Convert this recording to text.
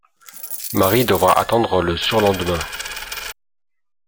Marie devra attendre le surlendemain.